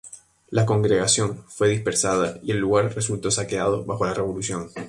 La congregación fue dispersada y el lugar resultó saqueado bajo la Revolución.